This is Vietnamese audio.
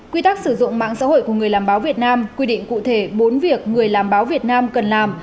quy tắc sử dụng mạng xã hội của người làm báo việt nam quy định cụ thể bốn việc người làm báo việt nam cần làm